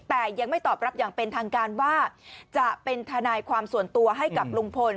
แต่ยังไม่ตอบรับอย่างเป็นทางการว่าจะเป็นทนายความส่วนตัวให้กับลุงพล